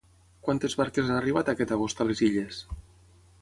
Quantes barques han arribat aquest agost a les Illes?